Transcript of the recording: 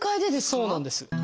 そうなんです。